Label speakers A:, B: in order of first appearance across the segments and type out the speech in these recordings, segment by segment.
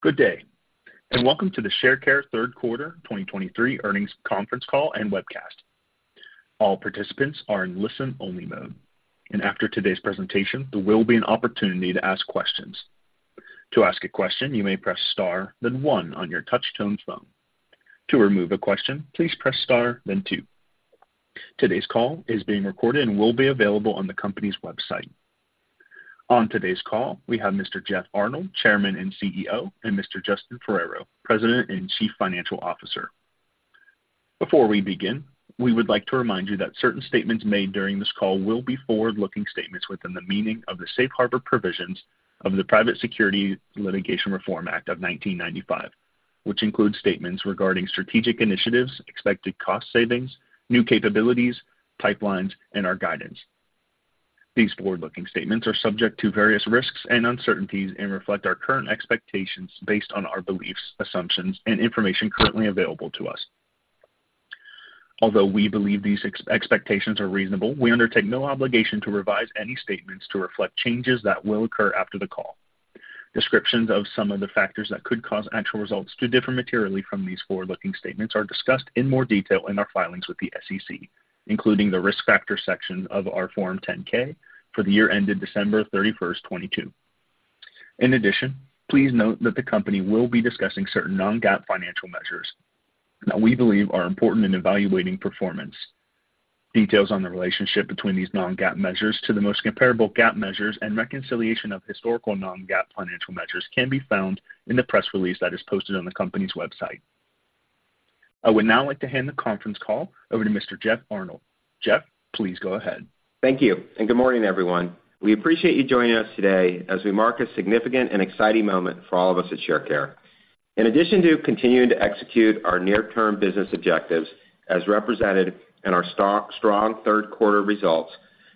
A: Good day, and welcome to the Sharecare Third Quarter 2023 Earnings Conference Call and Webcast. All participants are in listen-only mode, and after today's presentation, there will be an opportunity to ask questions. To ask a question, you may press Star, then one on your touchtone phone. To remove a question, please press Star, then two. Today's call is being recorded and will be available on the company's website. On today's call, we have Mr. Jeff Arnold, Chairman and CEO, and Mr. Justin Ferrero, President and Chief Financial Officer. Before we begin, we would like to remind you that certain statements made during this call will be forward-looking statements within the meaning of the Safe Harbor Provisions of the Private Securities Litigation Reform Act of 1995, which includes statements regarding strategic initiatives, expected cost savings, new capabilities, pipelines, and our guidance. These forward-looking statements are subject to various risks and uncertainties and reflect our current expectations based on our beliefs, assumptions, and information currently available to us. Although we believe these expectations are reasonable, we undertake no obligation to revise any statements to reflect changes that will occur after the call. Descriptions of some of the factors that could cause actual results to differ materially from these forward-looking statements are discussed in more detail in our filings with the SEC, including the Risk Factors section of our Form 10-K for the year ended December 31st, 2022. In addition, please note that the company will be discussing certain non-GAAP financial measures that we believe are important in evaluating performance. Details on the relationship between these non-GAAP measures to the most comparable GAAP measures and reconciliation of historical non-GAAP financial measures can be found in the press release that is posted on the company's website. I would now like to hand the conference call over to Mr. Jeff Arnold. Jeff, please go ahead.
B: Thank you, and good morning, everyone. We appreciate you joining us today as we mark a significant and exciting moment for all of us at Sharecare. In addition to continuing to execute our near-term business objectives, as represented in our strong, strong third quarter results,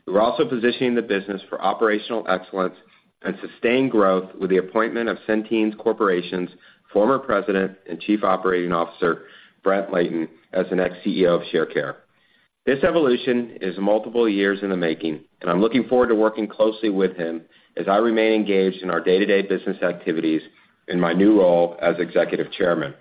B: we're also positioning the business for operational excellence and sustained growth with the appointment of Centene Corporation's former President and Chief Operating Officer, Brent Layton, as the next CEO of Sharecare. This evolution is multiple years in the making, and I'm looking forward to working closely with him as I remain engaged in our day-to-day business activities in my new role as Executive Chairman.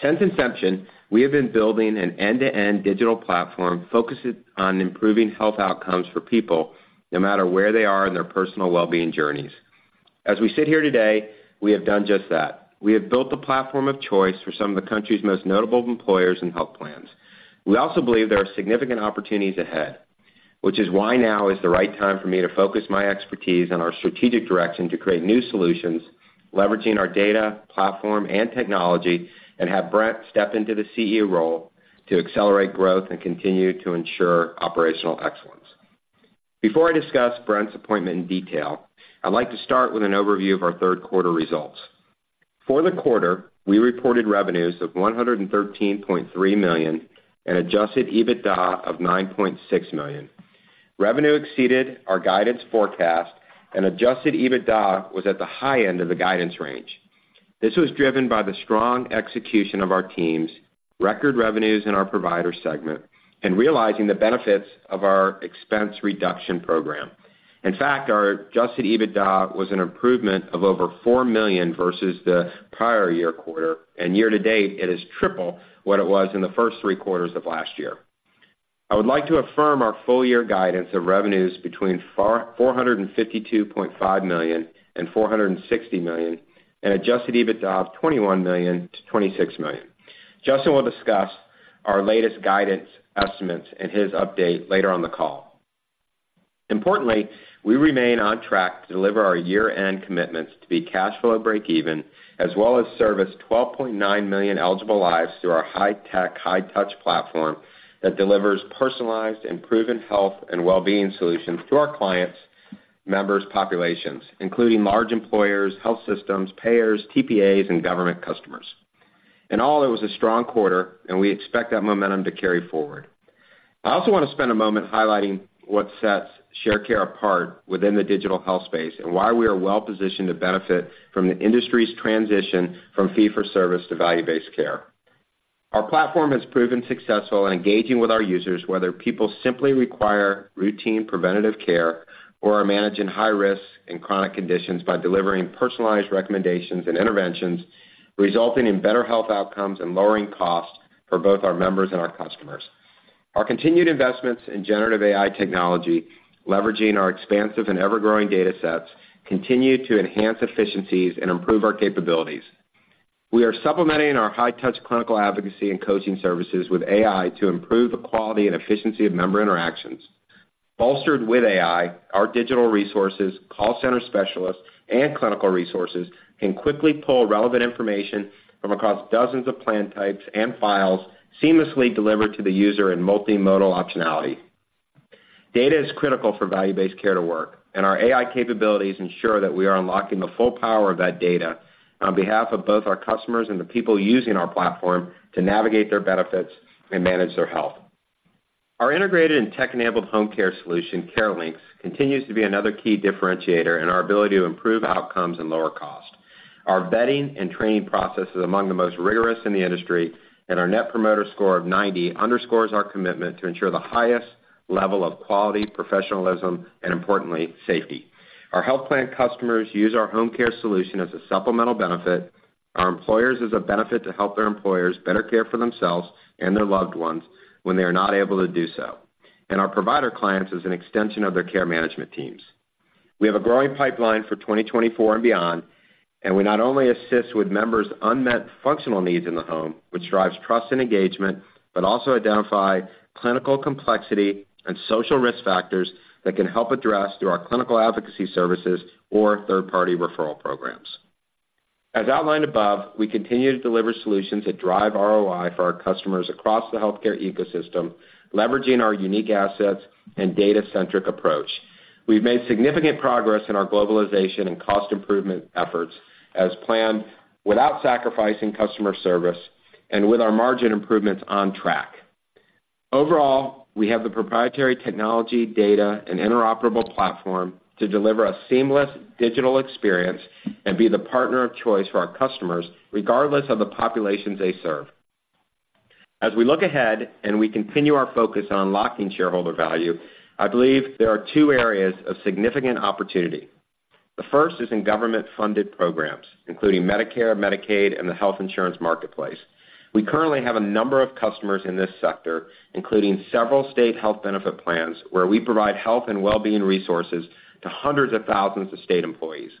B: Since inception, we have been building an end-to-end digital platform focusing on improving health outcomes for people, no matter where they are in their personal well-being journeys. As we sit here today, we have done just that. We have built the platform of choice for some of the country's most notable employers and health plans. We also believe there are significant opportunities ahead, which is why now is the right time for me to focus my expertise on our strategic direction to create new solutions, leveraging our data, platform, and technology, and have Brent step into the CEO role to accelerate growth and continue to ensure operational excellence. Before I discuss Brent's appointment in detail, I'd like to start with an overview of our third quarter results. For the quarter, we reported revenues of $113.3 million and adjusted EBITDA of $9.6 million. Revenue exceeded our guidance forecast, and adjusted EBITDA was at the high end of the guidance range. This was driven by the strong execution of our teams, record revenues in our provider segment, and realizing the benefits of our expense reduction program. In fact, our adjusted EBITDA was an improvement of over $4 million versus the prior year quarter, and year to date, it is triple what it was in the first three quarters of last year. I would like to affirm our full year guidance of revenues between $452.5 million and $460 million, and adjusted EBITDA of $21 million-$26 million. Justin will discuss our latest guidance estimates in his update later on the call. Importantly, we remain on track to deliver our year-end commitments to be cash flow break even, as well as service $12.9 million eligible lives through our high tech, high touch platform that delivers personalized and proven health and well-being solutions to our clients' members populations, including large employers, health systems, payers, TPAs, and government customers. In all, it was a strong quarter, and we expect that momentum to carry forward. I also want to spend a moment highlighting what sets Sharecare apart within the digital health space and why we are well-positioned to benefit from the industry's transition from fee-for-service to value-based care. Our platform has proven successful in engaging with our users, whether people simply require routine preventative care or are managing high risk and chronic conditions by delivering personalized recommendations and interventions, resulting in better health outcomes and lowering costs for both our members and our customers. Our continued investments in generative AI technology, leveraging our expansive and ever-growing datasets, continue to enhance efficiencies and improve our capabilities. We are supplementing our high-touch clinical advocacy and coaching services with AI to improve the quality and efficiency of member interactions. Bolstered with AI, our digital resources, call center specialists, and clinical resources can quickly pull relevant information from across dozens of plan types and files seamlessly delivered to the user in multimodal optionality. Data is critical for value-based care to work, and our AI capabilities ensure that we are unlocking the full power of that data on behalf of both our customers and the people using our platform to navigate their benefits and manage their health. Our integrated and tech-enabled home care solution, CareLinx, continues to be another key differentiator in our ability to improve outcomes and lower cost. Our vetting and training process is among the most rigorous in the industry, and our Net Promoter Score of 90 underscores our commitment to ensure the highest level of quality, professionalism, and importantly, safety. Our health plan customers use our home care solution as a supplemental benefit. Our employers is a benefit to help their employers better care for themselves and their loved ones when they are not able to do so, and our provider clients is an extension of their care management teams. We have a growing pipeline for 2024 and beyond, and we not only assist with members' unmet functional needs in the home, which drives trust and engagement, but also identify clinical complexity and social risk factors that can help address through our clinical advocacy services or third-party referral programs. As outlined above, we continue to deliver solutions that drive ROI for our customers across the healthcare ecosystem, leveraging our unique assets and data-centric approach. We've made significant progress in our globalization and cost improvement efforts as planned, without sacrificing customer service and with our margin improvements on track. Overall, we have the proprietary technology, data, and interoperable platform to deliver a seamless digital experience and be the partner of choice for our customers, regardless of the populations they serve. As we look ahead, and we continue our focus on unlocking shareholder value, I believe there are two areas of significant opportunity. The first is in government-funded programs, including Medicare, Medicaid, and the health insurance marketplace. We currently have a number of customers in this sector, including several state health benefit plans, where we provide health and wellbeing resources to hundreds of thousands of state employees.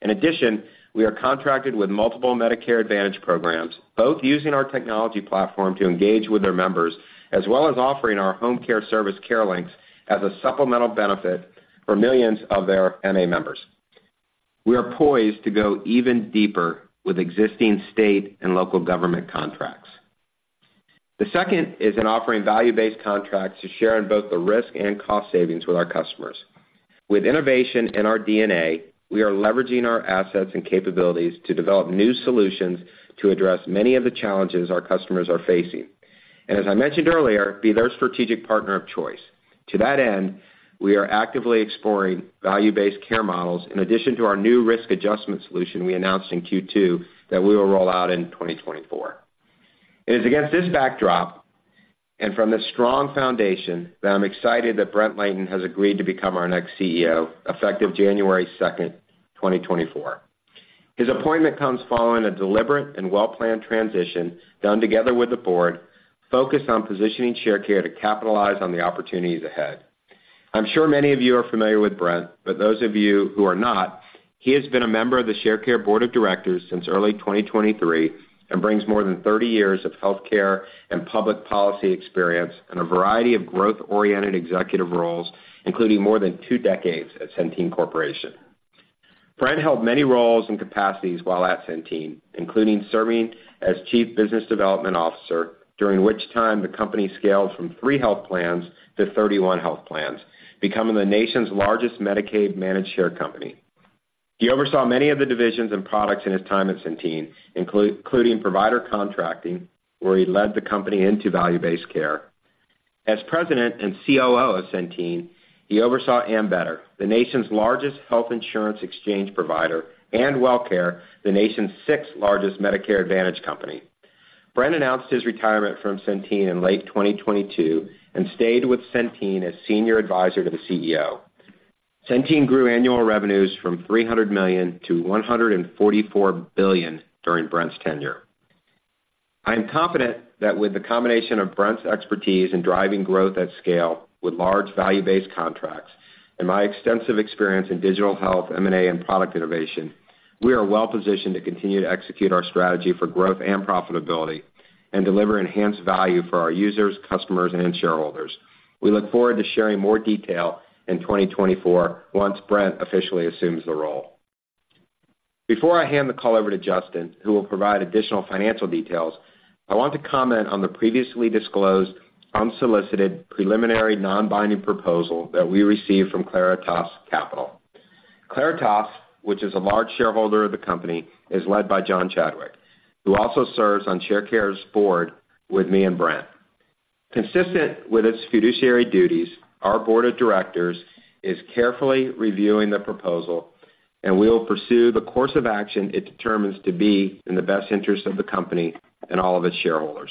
B: In addition, we are contracted with multiple Medicare Advantage programs, both using our technology platform to engage with their members, as well as offering our home care service, CareLinx, as a supplemental benefit for millions of their MA members. We are poised to go even deeper with existing state and local government contracts. The second is in offering value-based contracts to share in both the risk and cost savings with our customers. With innovation in our DNA, we are leveraging our assets and capabilities to develop new solutions to address many of the challenges our customers are facing, and as I mentioned earlier, be their strategic partner of choice. To that end, we are actively exploring value-based care models in addition to our new risk adjustment solution we announced in Q2 that we will roll out in 2024. It is against this backdrop and from this strong foundation that I'm excited that Brent Layton has agreed to become our next CEO, effective January 2nd, 2024. His appointment comes following a deliberate and well-planned transition, done together with the board, focused on positioning Sharecare to capitalize on the opportunities ahead. I'm sure many of you are familiar with Brent, but those of you who are not, he has been a member of the Sharecare Board of Directors since early 2023 and brings more than 30 years of healthcare and public policy experience in a variety of growth-oriented executive roles, including more than two decades at Centene Corporation. Brent held many roles and capacities while at Centene, including serving as Chief Business Development Officer, during which time the company scaled from 3 health plans to 31 health plans, becoming the nation's largest Medicaid managed care company. He oversaw many of the divisions and products in his time at Centene, including provider contracting, where he led the company into value-based care. As President and COO of Centene, he oversaw Ambetter, the nation's largest health insurance exchange provider, and WellCare, the nation's sixth-largest Medicare Advantage company. Brent announced his retirement from Centene in late 2022 and stayed with Centene as Senior Advisor to the CEO. Centene grew annual revenues from $300 million to $144 billion during Brent's tenure. I am confident that with the combination of Brent's expertise in driving growth at scale, with large value-based contracts, and my extensive experience in digital health, M&A, and product innovation, we are well positioned to continue to execute our strategy for growth and profitability and deliver enhanced value for our users, customers, and shareholders. We look forward to sharing more detail in 2024 once Brent officially assumes the role. Before I hand the call over to Justin, who will provide additional financial details, I want to comment on the previously disclosed, unsolicited, preliminary, non-binding proposal that we received from Claritas Capital. Claritas, which is a large shareholder of the company, is led by John Chadwick, who also serves on Sharecare's board with me and Brent. Consistent with its fiduciary duties, our board of directors is carefully reviewing the proposal, and we will pursue the course of action it determines to be in the best interest of the company and all of its shareholders.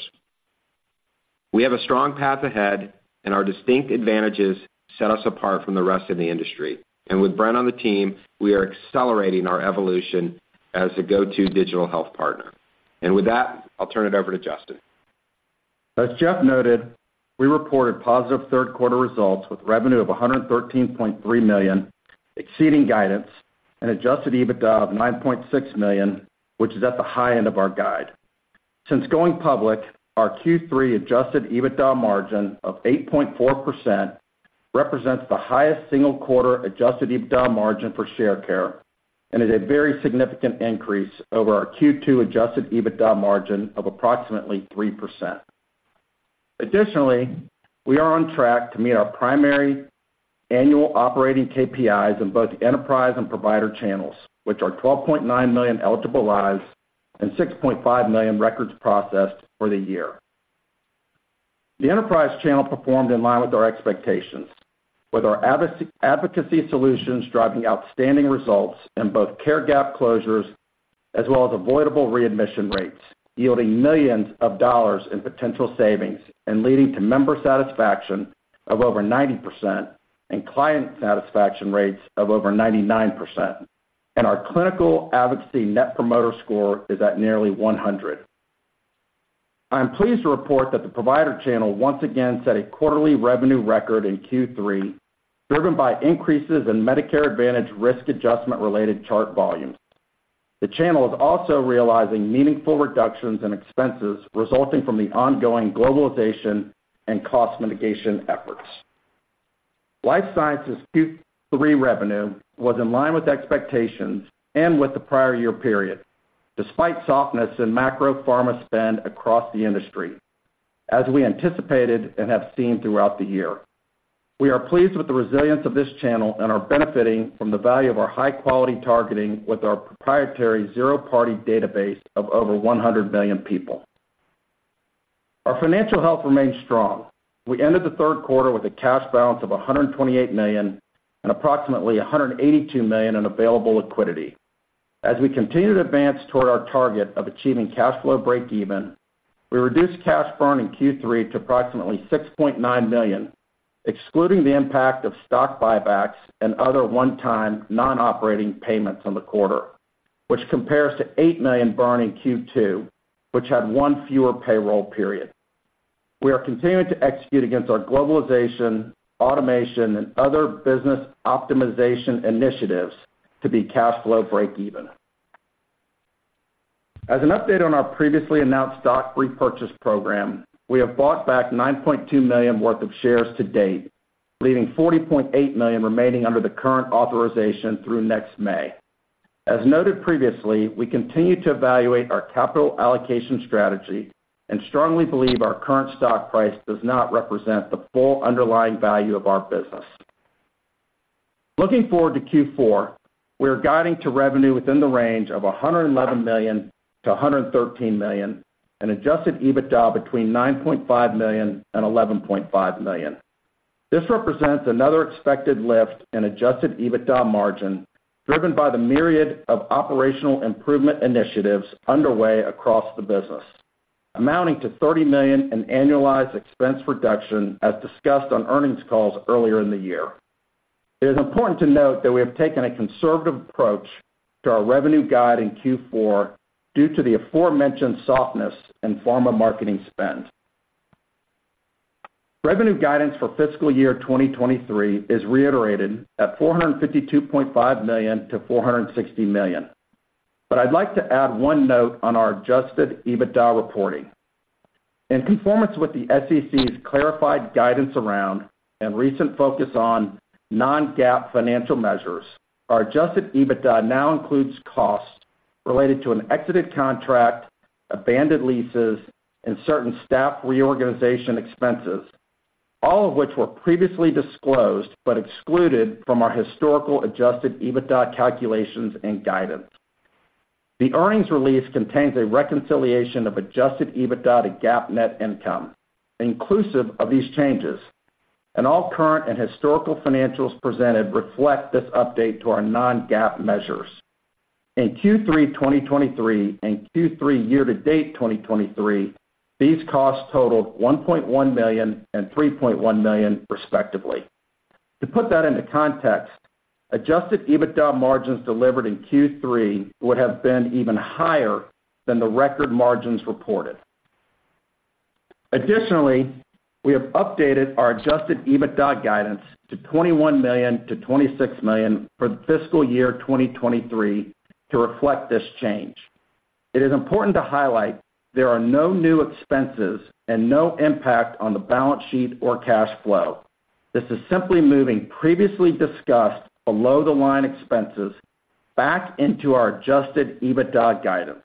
B: We have a strong path ahead, and our distinct advantages set us apart from the rest of the industry. With Brent on the team, we are accelerating our evolution as a go-to digital health partner. With that, I'll turn it over to Justin.
C: As Jeff noted, we reported positive third quarter results with revenue of $113.3 million, exceeding guidance, and adjusted EBITDA of $9.6 million, which is at the high end of our guide. Since going public, our Q3 adjusted EBITDA margin of 8.4% represents the highest single quarter adjusted EBITDA margin for Sharecare and is a very significant increase over our Q2 adjusted EBITDA margin of approximately 3%. Additionally, we are on track to meet our primary annual operating KPIs in both enterprise and provider channels, which are 12.9 million eligible lives and 6.5 million records processed for the year. The enterprise channel performed in line with our expectations, with our advocacy solutions driving outstanding results in both care gap closures as well as avoidable readmission rates, yielding $ millions in potential savings and leading to member satisfaction of over 90% and client satisfaction rates of over 99%, and our clinical advocacy Net Promoter Score is at nearly 100. I'm pleased to report that the provider channel once again set a quarterly revenue record in Q3, driven by increases in Medicare Advantage risk adjustment related chart volumes. The channel is also realizing meaningful reductions in expenses resulting from the ongoing globalization and cost mitigation efforts. Life sciences Q3 revenue was in line with expectations and with the prior year period, despite softness in macro pharma spend across the industry, as we anticipated and have seen throughout the year. We are pleased with the resilience of this channel and are benefiting from the value of our high-quality targeting with our proprietary zero-party database of over 100 million people. Our financial health remains strong. We ended the third quarter with a cash balance of $128 million and approximately $182 million in available liquidity. As we continue to advance toward our target of achieving cash flow breakeven, we reduced cash burn in Q3 to approximately $6.9 million, excluding the impact of stock buybacks and other one-time non-operating payments on the quarter, which compares to $8 million burn in Q2, which had one fewer payroll period. We are continuing to execute against our globalization, automation, and other business optimization initiatives to be cash flow breakeven. As an update on our previously announced stock repurchase program, we have bought back $9.2 million worth of shares to date, leaving $40.8 million remaining under the current authorization through next May. As noted previously, we continue to evaluate our capital allocation strategy and strongly believe our current stock price does not represent the full underlying value of our business. Looking forward to Q4, we are guiding to revenue within the range of $111 million-$113 million, and adjusted EBITDA between $9.5 million and $11.5 million. This represents another expected lift in adjusted EBITDA margin, driven by the myriad of operational improvement initiatives underway across the business, amounting to $30 million in annualized expense reduction, as discussed on earnings calls earlier in the year. It is important to note that we have taken a conservative approach to our revenue guide in Q4 due to the aforementioned softness in pharma marketing spend. Revenue guidance for fiscal year 2023 is reiterated at $452.5 million-$460 million. But I'd like to add one note on our adjusted EBITDA reporting. In conformance with the SEC's clarified guidance around and recent focus on non-GAAP financial measures, our adjusted EBITDA now includes costs related to an exited contract, abandoned leases, and certain staff reorganization expenses, all of which were previously disclosed but excluded from our historical adjusted EBITDA calculations and guidance. The earnings release contains a reconciliation of adjusted EBITDA to GAAP net income, inclusive of these changes, and all current and historical financials presented reflect this update to our non-GAAP measures. In Q3 2023 and Q3 year-to-date 2023, these costs totaled $1.1 million and $3.1 million, respectively. To put that into context, adjusted EBITDA margins delivered in Q3 would have been even higher than the record margins reported. Additionally, we have updated our adjusted EBITDA guidance to $21 million-$26 million for the fiscal year 2023 to reflect this change. It is important to highlight there are no new expenses and no impact on the balance sheet or cash flow. This is simply moving previously discussed below the line expenses back into our adjusted EBITDA guidance.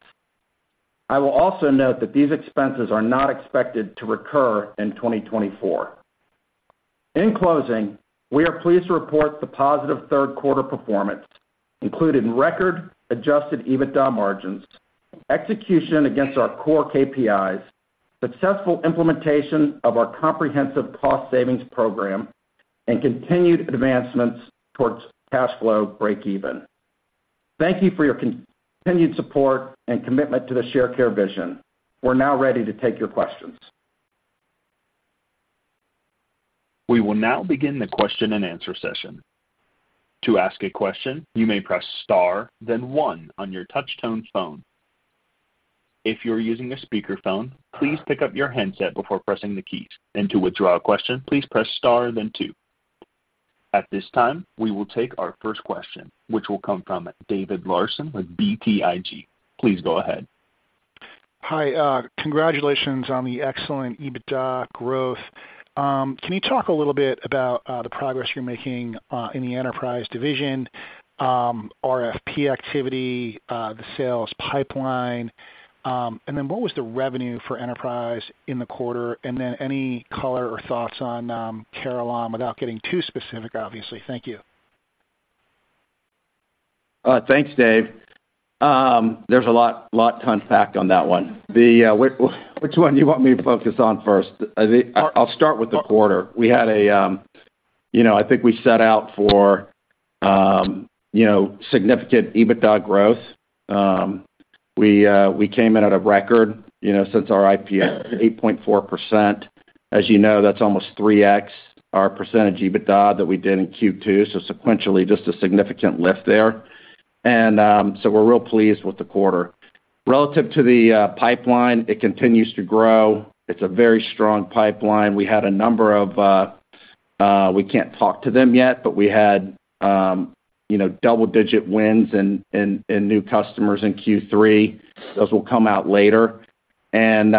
C: I will also note that these expenses are not expected to recur in 2024. In closing, we are pleased to report the positive third quarter performance, including record adjusted EBITDA margins, execution against our core KPIs, successful implementation of our comprehensive cost savings program, and continued advancements towards cash flow breakeven. Thank you for your continued support and commitment to the Sharecare vision. We're now ready to take your questions.
A: We will now begin the question-and-answer session. To ask a question, you may press star, then one on your touch-tone phone. If you're using a speakerphone, please pick up your handset before pressing the keys, and to withdraw a question, please press star, then two. At this time, we will take our first question, which will come from David Larsen with BTIG. Please go ahead.
D: Hi, congratulations on the excellent EBITDA growth. Can you talk a little bit about the progress you're making in the enterprise division, RFP activity, the sales pipeline? And then what was the revenue for enterprise in the quarter? And then any color or thoughts on Carelon, without getting too specific, obviously. Thank you.
C: Thanks, Dave. There's a lot, lot to unpack on that one. Which one do you want me to focus on first? I think I'll start with the quarter. We had a... you know, I think we set out for, you know, significant EBITDA growth. We, we came in at a record, you know, since our IPO, 8.4%. As you know, that's almost 3x our percentage EBITDA that we did in Q2, so sequentially, just a significant lift there. And, so we're real pleased with the quarter. Relative to the, pipeline, it continues to grow. It's a very strong pipeline. We had a number of, we can't talk to them yet, but we had, you know, double-digit wins and new customers in Q3. Those will come out later. And,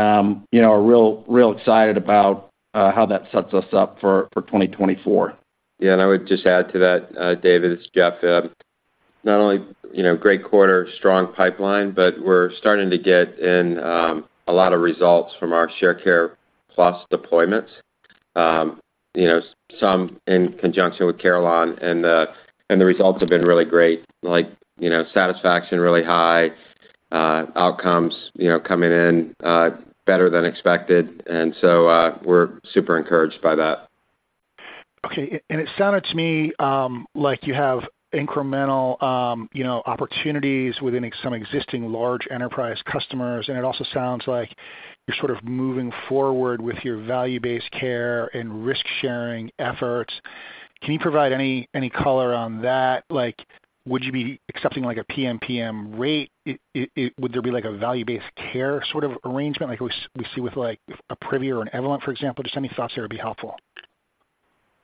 C: you know, are real, real excited about, how that sets us up for, for 2024.
B: Yeah, and I would just add to that, David, it's Jeff. Not only, you know, great quarter, strong pipeline, but we're starting to get in a lot of results from our Sharecare Plus deployments. You know, some in conjunction with Carelon, and the results have been really great, like, you know, satisfaction really high, outcomes you know coming in better than expected, and so we're super encouraged by that.
D: Okay, and it sounded to me like you have incremental, you know, opportunities within some existing large enterprise customers, and it also sounds like you're sort of moving forward with your value-based care and risk-sharing efforts. Can you provide any, any color on that? Like, would you be accepting, like, a PMPM rate? Would there be, like, a value-based care sort of arrangement, like we, we see with, like, a Privia or an Evolent, for example? Just any thoughts there would be helpful.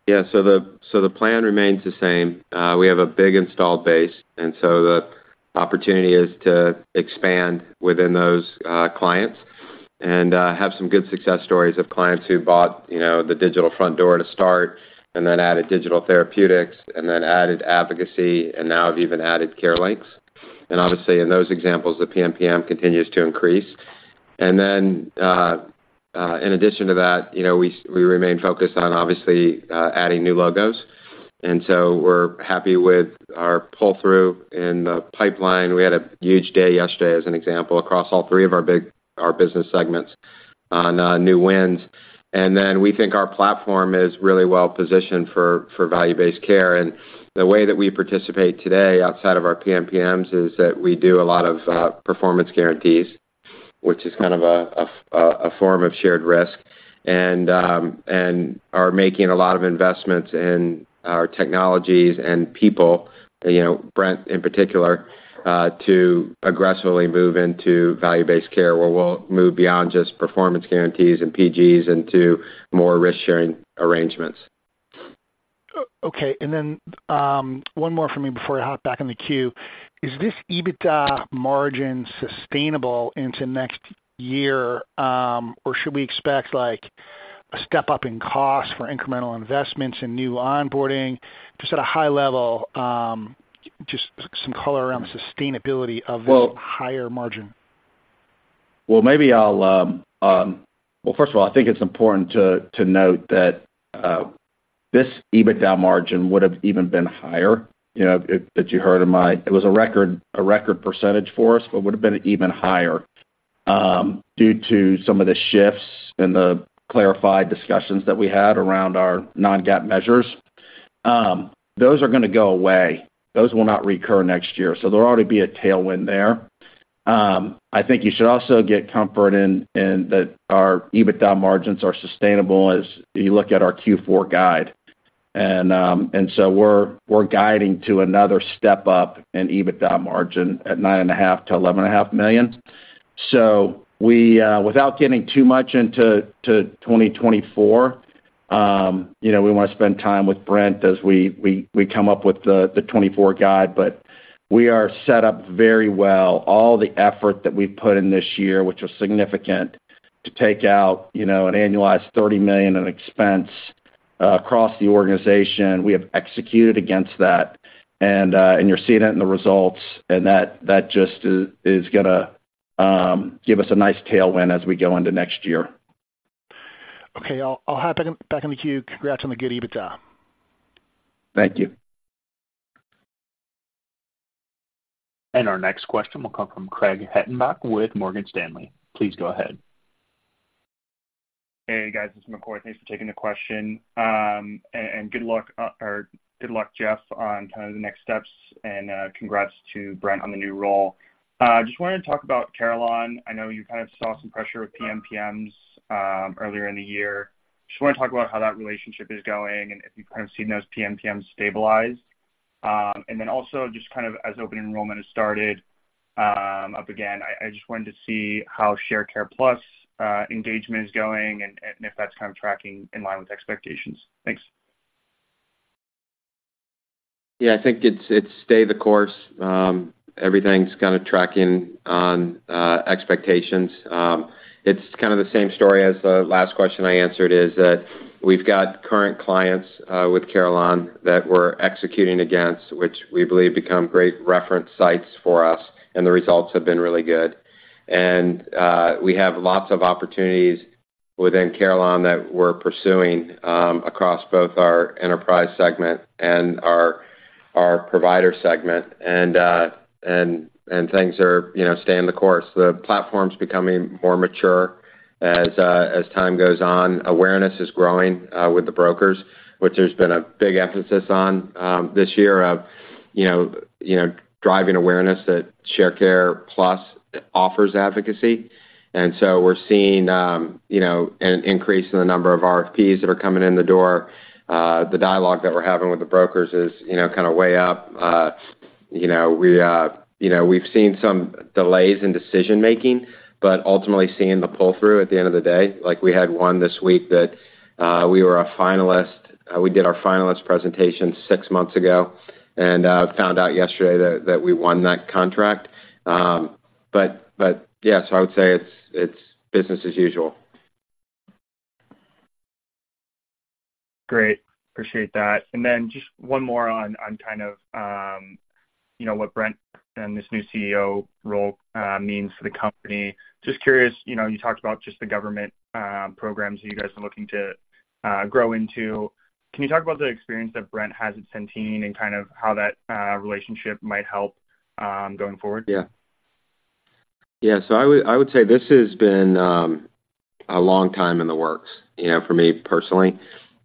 B: Yeah. So the plan remains the same. We have a big installed base, and so the opportunity is to expand within those clients and have some good success stories of clients who bought, you know, the digital front door to start and then added digital therapeutics, and then added advocacy, and now have even added CareLinx. And obviously, in those examples, the PMPM continues to increase. And then, in addition to that, you know, we remain focused on obviously adding new logos, and so we're happy with our pull-through in the pipeline. We had a huge day yesterday, as an example, across all three of our business segments on new wins. And then we think our platform is really well positioned for Value-Based Care. The way that we participate today outside of our PMPMs is that we do a lot of performance guarantees, which is kind of a form of shared risk, and are making a lot of investments in our technologies and people, you know, Brent in particular, to aggressively move into value-based care, where we'll move beyond just performance guarantees and PGs into more risk-sharing arrangements.
D: Okay, and then, one more from me before I hop back in the queue: Is this EBITDA margin sustainable into next year, or should we expect, like, a step-up in costs for incremental investments and new onboarding? Just at a high level, just some color around the sustainability of this higher margin.
C: Well, maybe I'll. Well, first of all, I think it's important to note that this EBITDA margin would have even been higher, you know, if that you heard in my. It was a record, a record percentage for us, but would have even been higher due to some of the shifts in the clarified discussions that we had around our non-GAAP measures. Those are gonna go away. Those will not recur next year, so there'll already be a tailwind there. I think you should also get comfort in that our EBITDA margins are sustainable as you look at our Q4 guide. And so we're guiding to another step up in EBITDA margin at $9.5 million to $11.5 million. So we, without getting too much into 2024, you know, we wanna spend time with Brent as we come up with the 2024 guide, but we are set up very well. All the effort that we've put in this year, which was significant, to take out, you know, an annualized $30 million in expense across the organization, we have executed against that. And you're seeing it in the results, and that just is gonna give us a nice tailwind as we go into next year.
D: Okay, I'll hop back in the queue. Congrats on the good EBITDA.
C: Thank you.
A: Our next question will come from Craig Hettenbach with Morgan Stanley. Please go ahead.
E: Hey, guys, this is McCoy. Thanks for taking the question. And good luck, Jeff, on kind of the next steps, and congrats to Brent on the new role. Just wanted to talk about Carelon. I know you kind of saw some pressure with PMPMs earlier in the year. Just wanna talk about how that relationship is going and if you've kind of seen those PMPMs stabilize. And then also just kind of as open enrollment has started up again, I just wanted to see how Sharecare Plus engagement is going and if that's kind of tracking in line with expectations. Thanks.
B: Yeah, I think it's stayed the course. Everything's kind of tracking on expectations. It's kind of the same story as the last question I answered, is that we've got current clients with Carelon that we're executing against, which we believe become great reference sites for us, and the results have been really good. And we have lots of opportunities within Carelon that we're pursuing across both our enterprise segment and our provider segment, and things are, you know, staying the course. The platform's becoming more mature as time goes on. Awareness is growing with the brokers, which there's been a big emphasis on this year of, you know, driving awareness that Sharecare Plus offers advocacy. And so we're seeing, you know, an increase in the number of RFPs that are coming in the door. The dialogue that we're having with the brokers is, you know, kind of way up. You know, we've seen some delays in decision-making, but ultimately seeing the pull-through at the end of the day. Like, we had one this week that we were a finalist. We did our finalist presentation six months ago and found out yesterday that we won that contract. But, but yes, I would say it's business as usual.
E: Great. Appreciate that. And then just one more on kind of, you know, what Brent and this new CEO role means to the company. Just curious, you know, you talked about just the government programs that you guys are looking to grow into. Can you talk about the experience that Brent has at Centene and kind of how that relationship might help going forward?
B: Yeah. Yeah, so I would, I would say this has been a long time in the works, you know, for me personally. You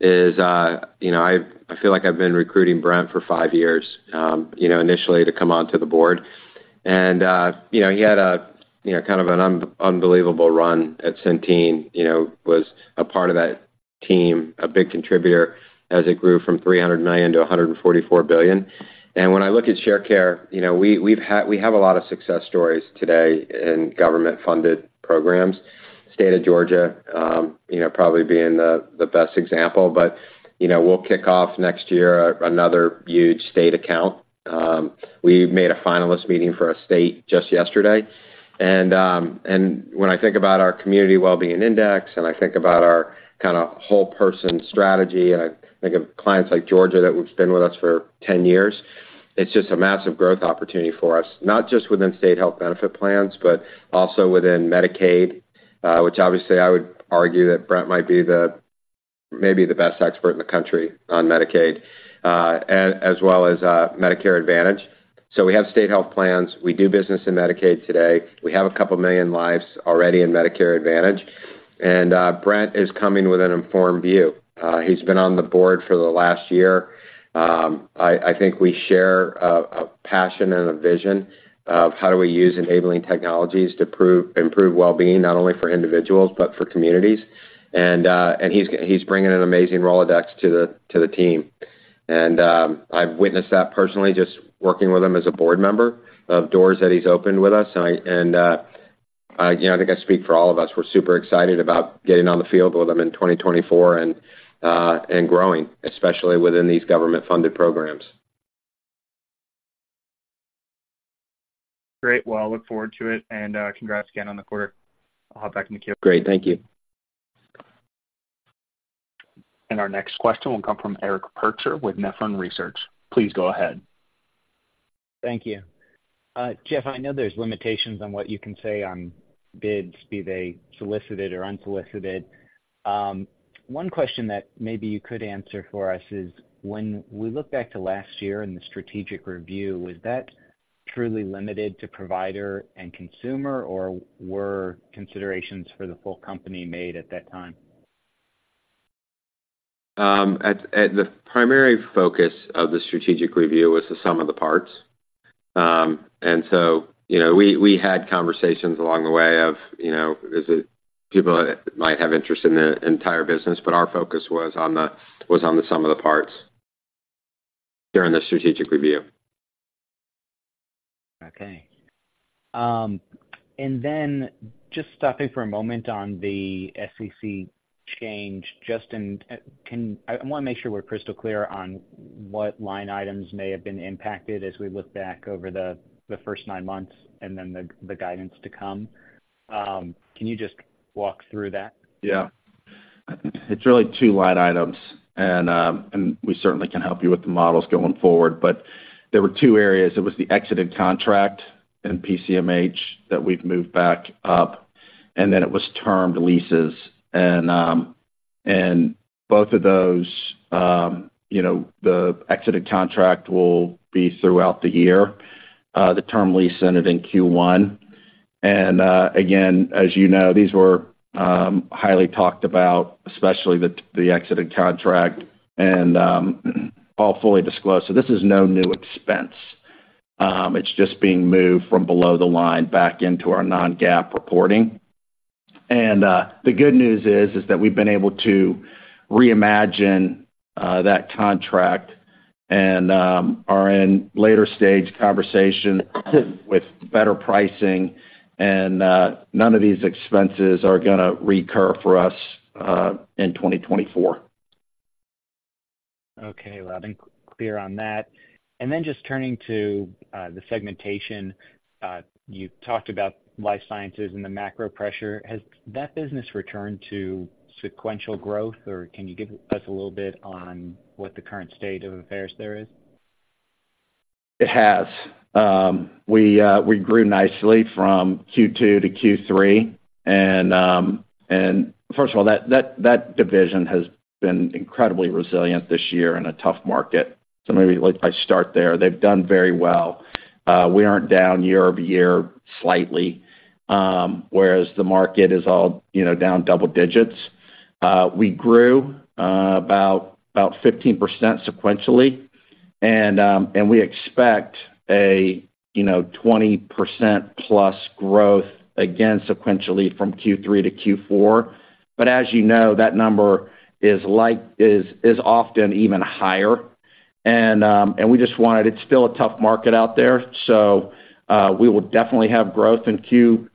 B: know, I feel like I've been recruiting Brent for five years, you know, initially to come onto the board. And, you know, he had a, you know, kind of an unbelievable run at Centene, you know, was a part of that team, a big contributor as it grew from $300 million to $144 billion. And when I look at Sharecare, you know, we have a lot of success stories today in government-funded programs. State of Georgia, you know, probably being the best example. But, you know, we'll kick off next year another huge state account. We made a finalist meeting for a state just yesterday. And when I think about our community wellbeing index, and I think about our kind of whole person strategy, and I think of clients like Georgia that have been with us for 10 years, it's just a massive growth opportunity for us, not just within state health benefit plans, but also within Medicaid, which obviously I would argue that Brent might be the, maybe the best expert in the country on Medicaid, as well as Medicare Advantage. So we have state health plans. We do business in Medicaid today. We have couple million lives already in Medicare Advantage, and Brent is coming with an informed view. He's been on the board for the last year. I think we share a passion and a vision of how do we use enabling technologies to improve well-being, not only for individuals, but for communities. And he's bringing an amazing Rolodex to the team. And I've witnessed that personally, just working with him as a board member, of doors that he's opened with us. And again, I think I speak for all of us. We're super excited about getting on the field with him in 2024 and growing, especially within these government-funded programs.
E: Great. Well, I look forward to it, and, congrats again on the quarter. I'll hop back to Nikhil
B: Great. Thank you.
A: Our next question will come from Eric Percher with Nephron Research. Please go ahead.
F: Thank you. Jeff, I know there's limitations on what you can say on bids, be they solicited or unsolicited. One question that maybe you could answer for us is: when we look back to last year and the strategic review, was that truly limited to provider and consumer, or were considerations for the full company made at that time?
B: The primary focus of the strategic review was the sum of the parts. And so, you know, we had conversations along the way of, you know, is it people that might have interest in the entire business, but our focus was on the sum of the parts during the strategic review.
F: Okay. And then just stopping for a moment on the SEC change. I wanna make sure we're crystal clear on what line items may have been impacted as we look back over the first nine months and then the guidance to come. Can you just walk through that?
B: Yeah. It's really two line items, and we certainly can help you with the models going forward. But there were two areas. It was the exited contract and PCMH that we've moved back up, and then it was termed leases. And both of those, you know, the exited contract will be throughout the year, the term lease ended in Q1. And again, as you know, these were highly talked about, especially the exited contract and all fully disclosed. So this is no new expense. It's just being moved from below the line back into our non-GAAP reporting. And the good news is that we've been able to reimagine that contract and are in later stage conversation with better pricing, and none of these expenses are gonna recur for us in 2024.
F: Okay. Well, I think clear on that. And then just turning to the segmentation. You talked about life sciences and the macro pressure. Has that business returned to sequential growth, or can you give us a little bit on what the current state of affairs there is?...
C: It has. We grew nicely from Q2 to Q3. And first of all, that division has been incredibly resilient this year in a tough market. So maybe if I start there, they've done very well. We aren't down year-over-year slightly, whereas the market is all, you know, down double digits. We grew about 15% sequentially, and we expect a, you know, 20%+ growth again sequentially from Q3 to Q4. But as you know, that number is like is often even higher. And we just wanted... It's still a tough market out there, so we will definitely have growth in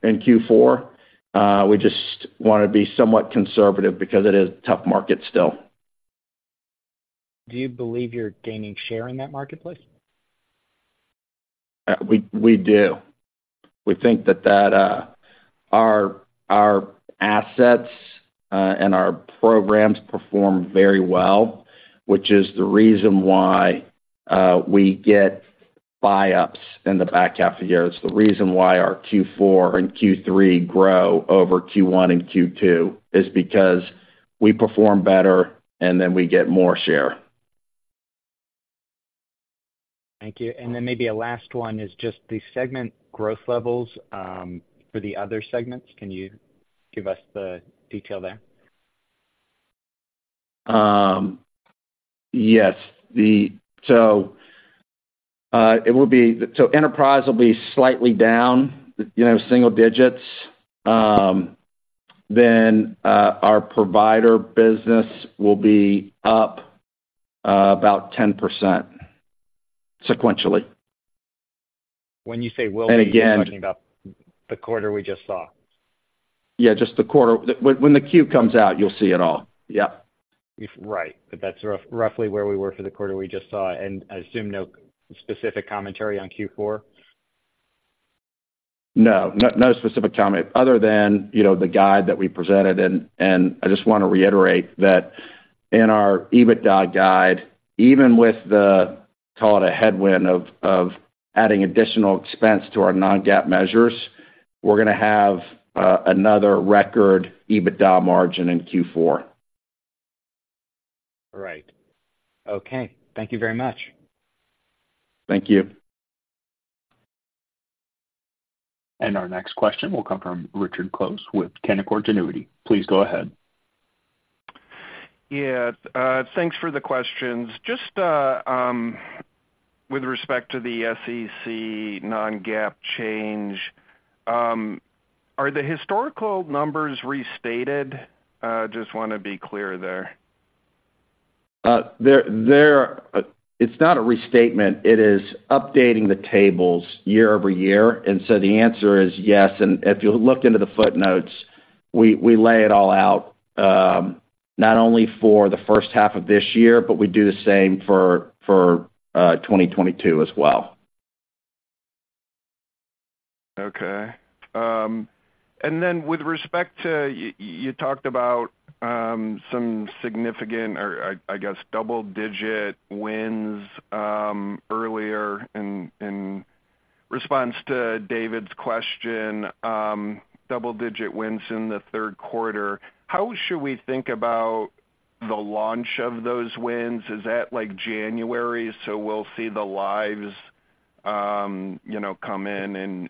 C: Q4. We just wanna be somewhat conservative because it is a tough market still.
F: Do you believe you're gaining share in that marketplace?
C: We do. We think that our assets and our programs perform very well, which is the reason why we get buyups in the back half of the year. It's the reason why our Q4 and Q3 grow over Q1 and Q2, is because we perform better, and then we get more share.
F: Thank you. And then maybe a last one is just the segment growth levels, for the other segments. Can you give us the detail there?
C: Yes, so enterprise will be slightly down, you know, single digits. Then, our provider business will be up about 10% sequentially.
F: When you say will be-
C: And again-
F: You're talking about the quarter we just saw?
C: Yeah, just the quarter. When the Q comes out, you'll see it all. Yep.
F: Right. But that's roughly where we were for the quarter we just saw, and I assume no specific commentary on Q4?
C: No, no, no specific comment other than, you know, the guide that we presented. I just want to reiterate that in our EBITDA guide, even with the, call it, a headwind of adding additional expense to our Non-GAAP measures, we're gonna have another record EBITDA margin in Q4.
F: Right. Okay. Thank you very much.
C: Thank you.
A: Our next question will come from Richard Close with Canaccord Genuity. Please go ahead.
G: Yeah, thanks for the questions. Just, with respect to the SEC non-GAAP change, are the historical numbers restated? Just wanna be clear there.
C: It's not a restatement, it is updating the tables year-over-year, and so the answer is yes. If you look into the footnotes, we lay it all out, not only for the first half of this year, but we do the same for 2022 as well.
G: Okay. And then with respect to... You talked about some significant or I guess double-digit wins earlier in response to David's question, double-digit wins in the third quarter. How should we think about the launch of those wins? Is that like January, so we'll see the lives you know come in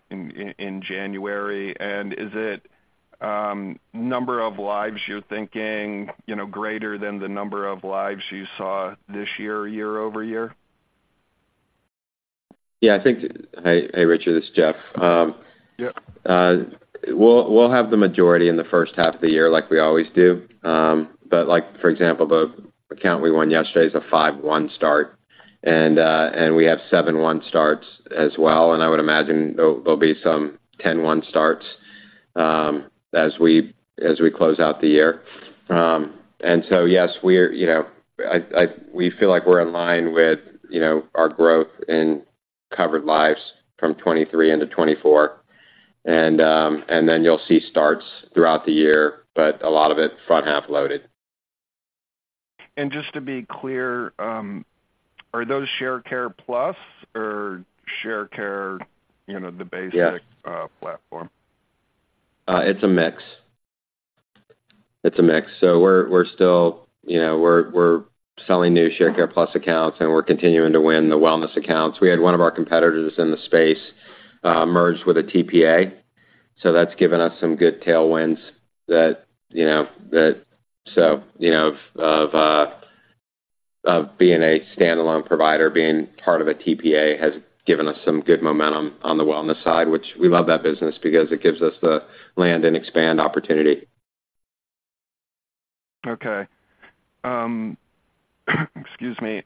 G: January? And is it number of lives you're thinking you know greater than the number of lives you saw this year year-over-year?
B: Hey, hey, Richard, it's Jeff.
G: Yep.
B: We'll have the majority in the first half of the year, like we always do. But like, for example, the account we won yesterday is a 5/1 start, and we have 7/1 starts as well, and I would imagine there'll be some 10/1 starts, as we close out the year. And so yes, we're, you know, we feel like we're in line with, you know, our growth in covered lives from 2023 into 2024. And then you'll see starts throughout the year, but a lot of it, front half loaded.
G: Just to be clear, are those Sharecare Plus or Sharecare, you know, the basic-
B: Yes...
G: platform?
B: It's a mix. It's a mix. So we're still, you know, selling new Sharecare Plus accounts, and we're continuing to win the wellness accounts. We had one of our competitors in the space merged with a TPA, so that's given us some good tailwinds. So, you know, of being a standalone provider, being part of a TPA, has given us some good momentum on the wellness side, which we love that business because it gives us the land and expand opportunity.
G: Okay. Excuse me.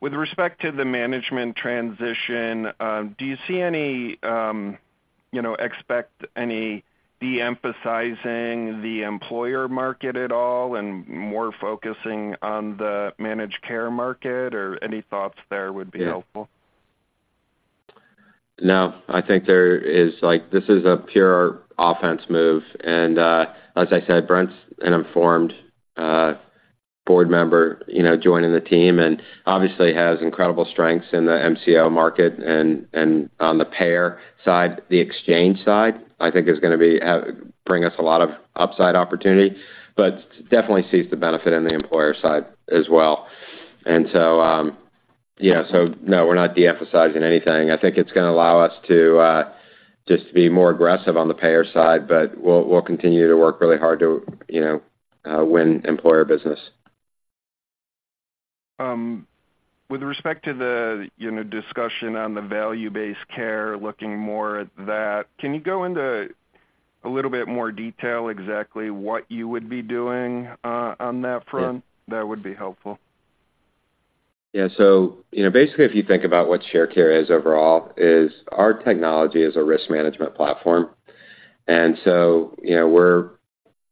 G: With respect to the management transition, do you see any, you know, expect any de-emphasizing the employer market at all and more focusing on the managed care market, or any thoughts there would be helpful?...
B: No, I think there is, like, this is a pure offense move. And, as I said, Brent's an informed, board member, you know, joining the team, and obviously has incredible strengths in the MCO market and, and on the payer side. The exchange side, I think, is gonna be, bring us a lot of upside opportunity, but definitely sees the benefit in the employer side as well. And so, yeah, so no, we're not de-emphasizing anything. I think it's gonna allow us to, just be more aggressive on the payer side, but we'll, we'll continue to work really hard to, you know, win employer business.
G: With respect to the, you know, discussion on the Value-Based Care, looking more at that, can you go into a little bit more detail exactly what you would be doing, on that front?
B: Yeah.
G: That would be helpful.
B: Yeah. So, you know, basically, if you think about what Sharecare is overall, is our technology is a risk management platform. And so, you know, we're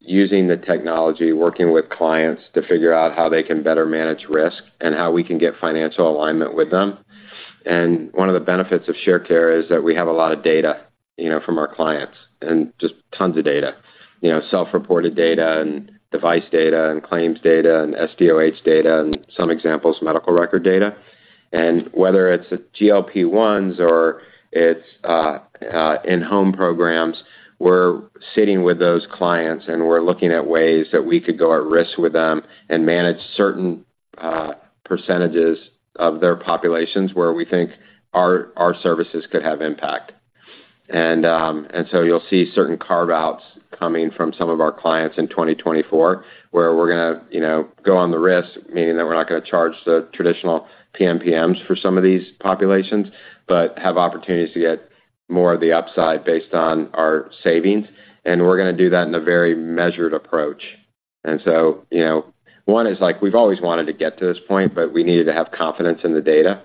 B: using the technology, working with clients to figure out how they can better manage risk and how we can get financial alignment with them. And one of the benefits of Sharecare is that we have a lot of data, you know, from our clients, and just tons of data. You know, self-reported data and device data and claims data and SDOH data, and some examples, medical record data. And whether it's the GLP-1s or it's in-home programs, we're sitting with those clients, and we're looking at ways that we could go at risk with them and manage certain percentages of their populations, where we think our, our services could have impact. And, and so you'll see certain carve-outs coming from some of our clients in 2024, where we're gonna, you know, go on the risk, meaning that we're not gonna charge the traditional PMPMs for some of these populations, but have opportunities to get more of the upside based on our savings. And we're gonna do that in a very measured approach. And so, you know, one is like, we've always wanted to get to this point, but we needed to have confidence in the data,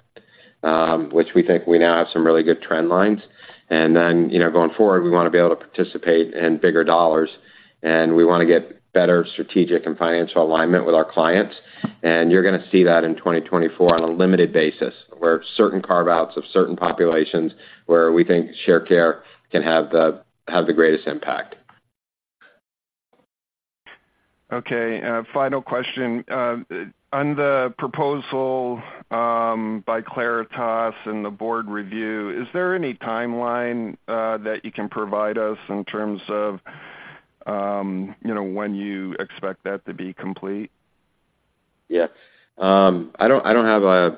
B: which we think we now have some really good trend lines. And then, you know, going forward, we wanna be able to participate in bigger dollars, and we wanna get better strategic and financial alignment with our clients. You're gonna see that in 2024 on a limited basis, where certain carve-outs of certain populations, where we think Sharecare can have the greatest impact.
G: Okay. Final question: on the proposal by Claritas and the board review, is there any timeline that you can provide us in terms of, you know, when you expect that to be complete?
B: Yeah. I don't have a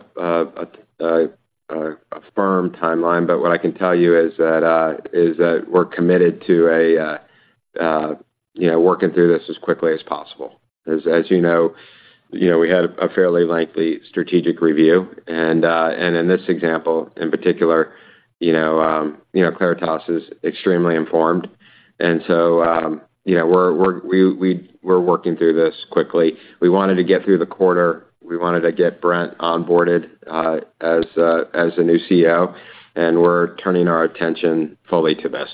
B: firm timeline, but what I can tell you is that we're committed to a, you know, working through this as quickly as possible. As you know, we had a fairly lengthy strategic review, and in this example, in particular, you know, Claritas is extremely informed. And so, you know, we're working through this quickly. We wanted to get through the quarter, we wanted to get Brent onboarded, as the new CEO, and we're turning our attention fully to this.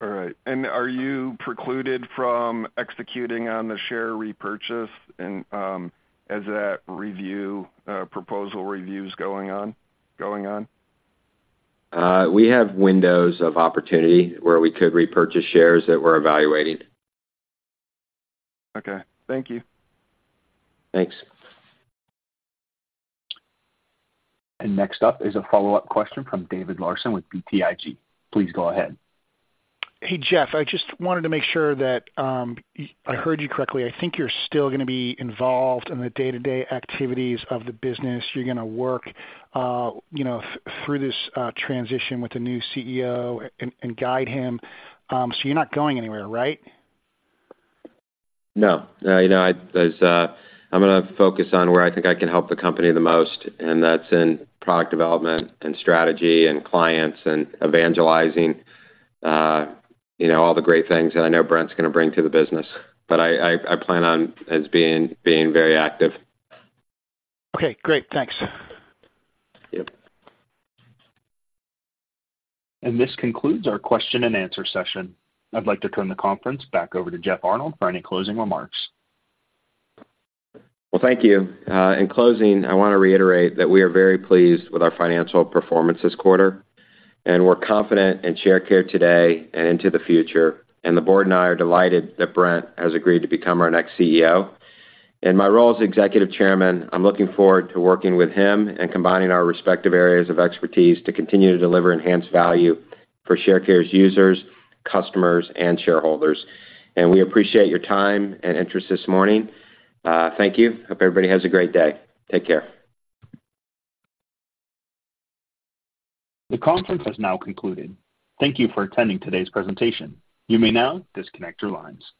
G: All right. And are you precluded from executing on the share repurchase and, as that proposal review is going on?
B: We have windows of opportunity where we could repurchase shares that we're evaluating.
G: Okay. Thank you.
B: Thanks.
A: Next up is a follow-up question from David Larsen with BTIG. Please go ahead.
D: Hey, Jeff. I just wanted to make sure that I heard you correctly. I think you're still gonna be involved in the day-to-day activities of the business. You're gonna work, you know, through this transition with the new CEO and, and guide him. So you're not going anywhere, right?
B: No. You know, I'm gonna focus on where I think I can help the company the most, and that's in product development and strategy and clients and evangelizing, you know, all the great things that I know Brent's gonna bring to the business. But I plan on being very active.
D: Okay, great. Thanks.
B: Yep.
A: This concludes our question and answer session. I'd like to turn the conference back over to Jeff Arnold for any closing remarks.
B: Well, thank you. In closing, I wanna reiterate that we are very pleased with our financial performance this quarter, and we're confident in Sharecare today and into the future. The board and I are delighted that Brent has agreed to become our next CEO. In my role as executive chairman, I'm looking forward to working with him and combining our respective areas of expertise to continue to deliver enhanced value for Sharecare's users, customers, and shareholders. We appreciate your time and interest this morning. Thank you. Hope everybody has a great day. Take care.
A: The conference has now concluded. Thank you for attending today's presentation. You may now disconnect your lines.